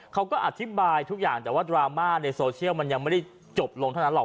เขาก็อธิบายทุกอย่างแต่ว่าดราม่าในโซเชียลมันยังไม่ได้จบลงเท่านั้นหรอก